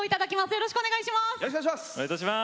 よろしくお願いします。